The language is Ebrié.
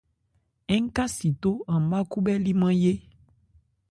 Ń ka sitó an má khúbhɛ́límán yé.